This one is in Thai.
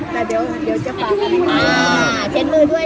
แต่เดี๋ยวจะฝากมันมา